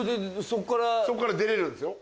そっから出れるんですよ。